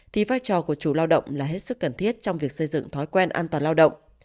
thì vai trò của chủ lao động là hết sức cần thiết trong việc xây dựng thói quen an toàn lao động